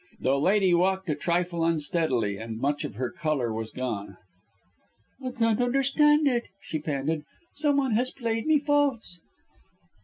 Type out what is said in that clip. The lady walked a trifle unsteadily, and much of her colour was gone. "I can't understand it," she panted; "somebody has played me false."